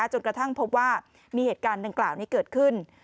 จนกระทั่งพบว่ามีเหตุการณ์ดังกล่าวนี้เกิดขึ้น